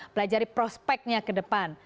pelajari prospeknya ke depan